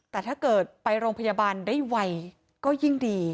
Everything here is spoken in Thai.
แต่ถ้าเกิดไปโรงพยาบาลได้ไวก็ยิ่งดี